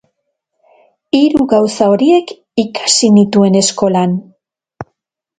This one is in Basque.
Hiru gauza horiek ikasi nituen eskolan.